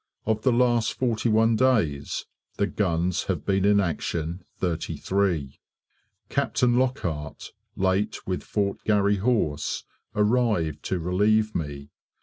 Of the last 41 days the guns have been in action 33. Captain Lockhart, late with Fort Garry Horse, arrived to relieve me.